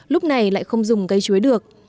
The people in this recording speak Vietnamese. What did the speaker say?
lúc này lại không dùng cây chuối được